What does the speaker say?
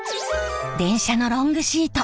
電車のロングシート